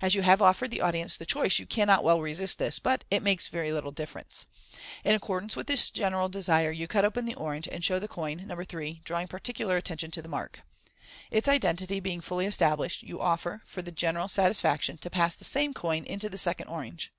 As you have offered the audience the choice, you cannot wel! resist this j but it makes very little difference. In accordance with the general desire, you cut open the orange, and show the coin (No. 3), drawing particular attention to the mark. Its identity being fully established, you offer, for the general satisfaction, to pass the same coin into the second orange.